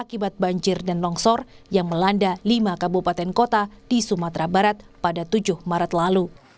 akibat banjir dan longsor yang melanda lima kabupaten kota di sumatera barat pada tujuh maret lalu